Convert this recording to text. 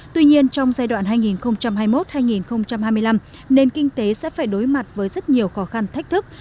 tuy nhiên trong giai đoạn hai nghìn hai mươi một hai nghìn hai mươi năm nền kinh tế sẽ phải đối mặt với rất nhiều khó khăn thách thức